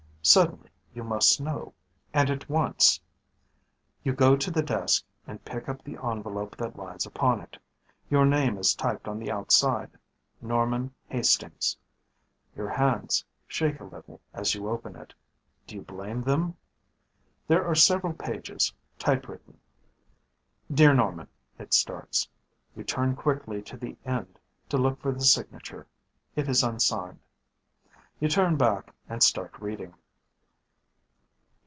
_ Suddenly you must know, and at once. You go to the desk and pick up the envelope that lies upon it. Your name is typed on the outside: Norman Hastings. Your hands shake a little as you open it. Do you blame them? There are several pages, typewritten. Dear Norman, it starts. You turn quickly to the end to look for the signature. It is unsigned. You turn back and start reading.